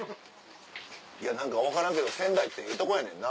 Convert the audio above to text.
いや何か分からんけど仙台ってええとこやねんな。